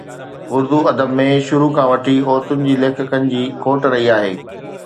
اردو ادب ۾ شروع کان وٺي عورتن جي ليکڪن جي کوٽ رهي آهي